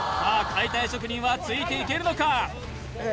解体職人はついていけるのか？